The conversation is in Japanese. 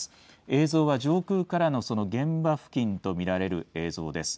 映像は上空からの、その現場付近と見られる映像です。